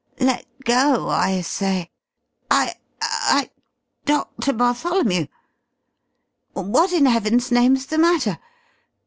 Let go, I say I I Doctor Bartholomew! What in Heaven's name's the matter?